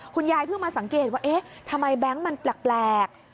คุณยายเพิ่งมาสังเกตว่าทำไมแบงค์มันแปลก